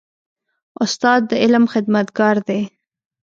استاد د علم خدمتګار دی.